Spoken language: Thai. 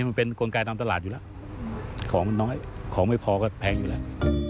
มันเป็นกลไกตามตลาดอยู่แล้วของมันน้อยของไม่พอก็แพงอยู่แล้ว